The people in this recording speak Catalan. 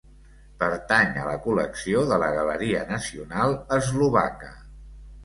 Pertany a la col·lecció de la Galeria Nacional Eslovaca.